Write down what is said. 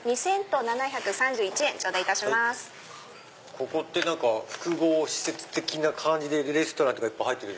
ここって複合施設的な感じでレストランとか入ってる。